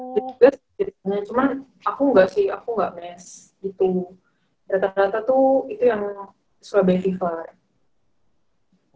cuman aku gak sih